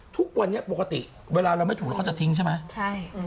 ทุกวันนี้ปกติเวลาเราไม่ถูกแล้วเขาจะทิ้งใช่ไหมใช่